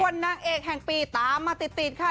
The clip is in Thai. ส่วนนักเอกแห่งปีตามมาติดค่ะ